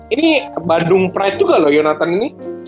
ini bandung pride juga loh shionatan ini